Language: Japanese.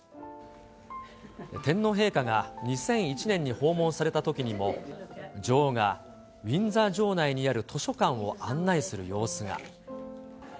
天皇陛下が２００１年に訪問されたときにも、女王がウィンザー城内にある図書館を案内する様子が。